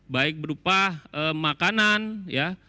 baik berupa makanan ya